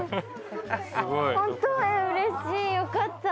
ホントうれしいよかった。